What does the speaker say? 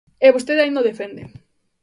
¡E vostede aínda o defende!